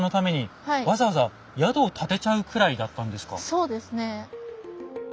そうですね。